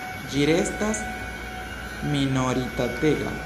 Ĝi restas minoritatega?